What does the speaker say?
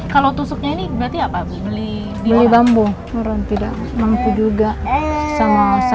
kalau tusuknya ini berarti apa